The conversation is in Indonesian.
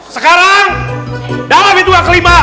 sekarang dalam bentuk yang kelima